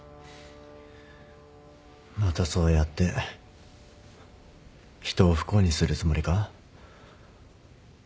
またそうやって人を不幸にするつもりか？